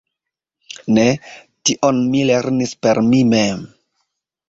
Ne, tion mi lernis per mi mem.